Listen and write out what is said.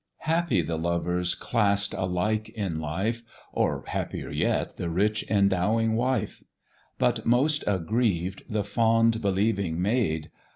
"Happy the lovers class'd alike in life, Or happier yet the rich endowing wife; But most aggrieved the fond believing maid.